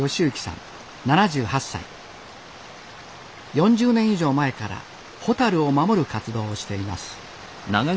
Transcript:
４０年以上前からホタルを守る活動をしています